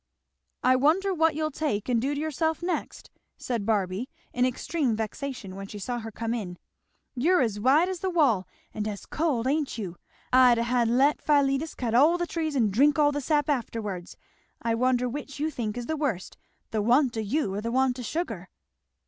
"I wonder what you'll take and do to yourself next!" said Barby in extreme vexation when she saw her come in. "You're as white as the wall, and as cold, ain't you? I'd ha' let Philetus cut all the trees and drink all the sap afterwards. I wonder which you think is the worst, the want o' you or the want o' sugar."